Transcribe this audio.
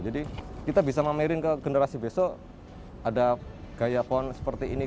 jadi kita bisa memairin ke generasi besok ada gaya pohon seperti ini